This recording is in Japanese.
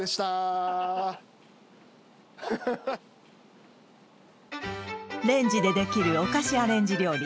ハハハレンジでできるお菓子アレンジ料理